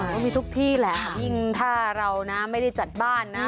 ก็มีทุกที่แหละค่ะยิ่งถ้าเรานะไม่ได้จัดบ้านนะ